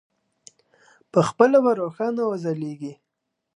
پخپله به روښانه وځلېږي.